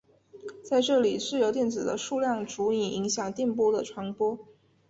在这里自由电子的数量足以影响电波的传播。